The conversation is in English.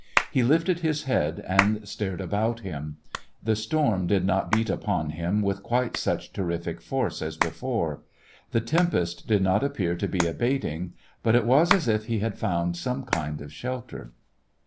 He lifted his head and stared about him. The storm did not beat upon him with quite such terrific force as before. The tempest did not appear to be abating, but it was as if he had found some kind of shelter.